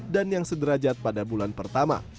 dan yang sederajat pada bulan pertama